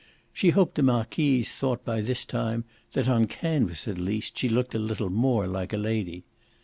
She hoped the marquise thought by this time that, on canvas at least, she looked a little more like a lady.